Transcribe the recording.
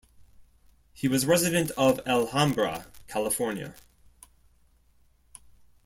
He was a resident of Alhambra, California.